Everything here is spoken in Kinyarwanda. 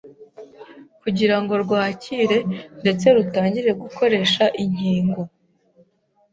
kugira ngo rwakire ndetse rutangire gukoresha inkingo